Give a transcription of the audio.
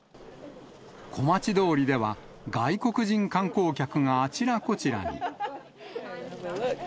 小町通りでは外国人観光客があちらこちらに。